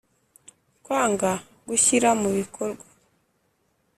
Kwanga gushyira mu bikorwa